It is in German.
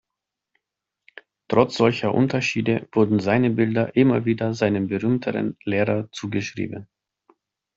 Trotz solcher Unterschiede wurden seine Bilder immer wieder seinem berühmteren Lehrer zugeschrieben.